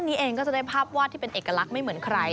เองก็จะได้ภาพวาดที่เป็นเอกลักษณ์ไม่เหมือนใคร